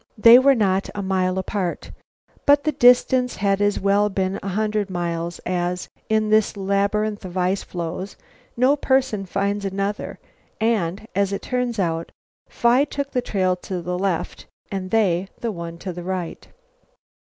They were not a mile apart, but the distance had as well been a hundred miles as, in this labyrinth of ice floes, no person finds another, and, as it turned out later, Phi took the trail to the left and they the one to the right.